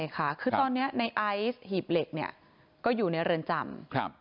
ค่ะคือตอนนี้ในไอซ์หีบเหล็กเนี่ยก็อยู่ในเรือนจำ